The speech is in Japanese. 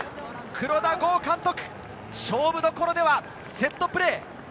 黒田剛監督、勝負どころではセットプレー。